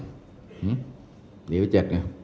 หื้อหนีไว้เจ็ดเนี่ย